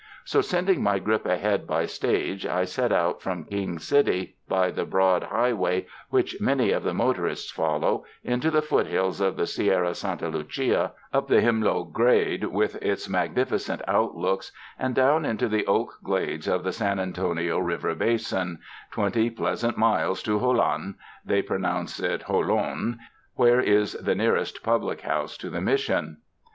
So, sending my grip ahead by stage, I set out from King City by the broad high way which many of the motorists follow, into the foothills of the Sierra Santa Lucia, up the Jimlo grade with its magnificent outlooks, and down into the oak glades of the San Antonio river basin, twenty pleasant miles to Jolon— they pronounce it Ho lone' — where is the nearest public house to the Mission.